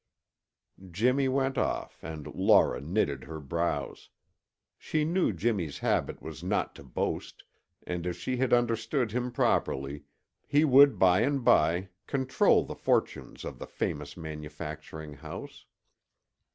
Jimmy went off and Laura knitted her brows. She knew Jimmy's habit was not to boast, and if she had understood him properly, he would by and by control the fortunes of the famous manufacturing house.